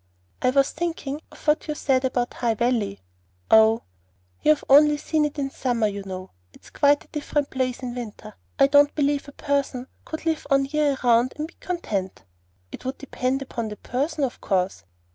"I was thinking of what you said about the High Valley." "Oh!" "You've only seen it in summer, you know. It's quite a different place in the winter. I don't believe a person could live on the year round and be contented." "It would depend upon the person, of course."